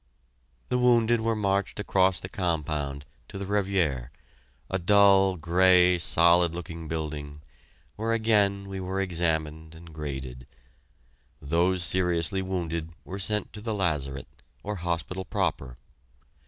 The wounded were marched across the compound to the "Revier," a dull, gray, solid looking building, where again we were examined and graded. Those seriously wounded were sent to the lazaret, or hospital proper.